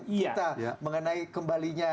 kita mengenai kembalinya